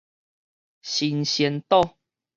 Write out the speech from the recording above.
神仙島